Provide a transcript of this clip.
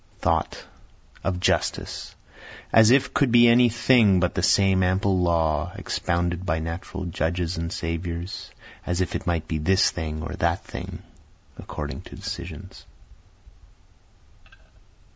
Thought Of justice as If could be any thing but the same ample law, expounded by natural judges and saviors, As if it might be this thing or that thing, according to decisions.